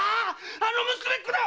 あの娘っ子だ！